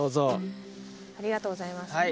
ありがとうございます。